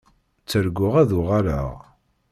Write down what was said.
Tterguɣ ad uɣaleɣ.